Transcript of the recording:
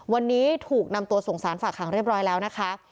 วันนี้ถูกนำตัวส่งสารฝากหางเรียบร้อยแล้วนะคะ